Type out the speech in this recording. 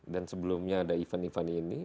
dan sebelumnya ada event event ini